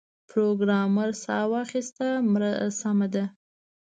پروګرامر ساه واخیسته سمه ده